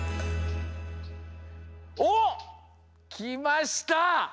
おっきました！